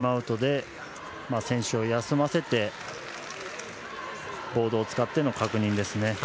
アメリカはタイムアウトで選手を休ませてボードを使っての確認ですね。